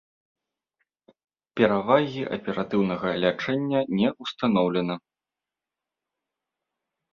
Перавагі аператыўнага лячэння не ўстаноўлена.